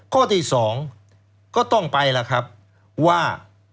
ข้อที่สองก็ต้องไปเหละว่า